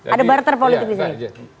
ada barter politik di sini